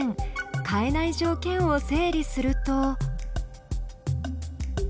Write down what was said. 変えない条件を整理すると。